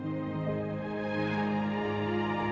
dua hari lagi